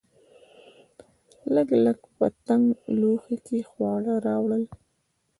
لګلګ په تنګ لوښي کې خواړه راوړل.